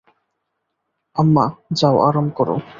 আম্মা, যাও আরাম করো।